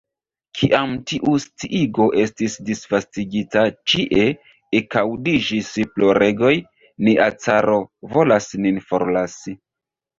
Kiam tiu sciigo estis disvastigita, ĉie ekaŭdiĝis ploregoj: "nia caro volas nin forlasi! »